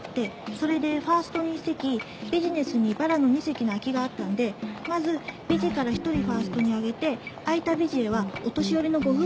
それでファーストに１席ビジネスにばらの２席の空きがあったんでまずビジから１人ファーストに上げて空いたビジへはお年寄りのご夫婦に勧めました。